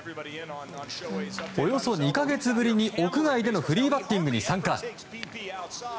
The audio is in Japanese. およそ２か月ぶりに屋外でのフリーバッティングに参加。